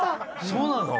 そうなの？